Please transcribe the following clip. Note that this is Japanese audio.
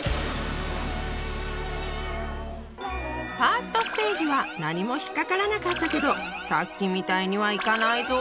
ファーストステージは何も引っかからなかったけどさっきみたいにはいかないぞ！